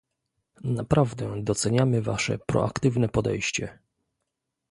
Naprawdę doceniamy wasze proaktywne podejście